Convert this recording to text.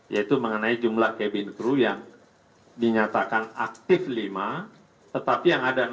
yaitu mengenai jumlah cabin crew yang dinyatakan aktif lima tetapi yang ada enam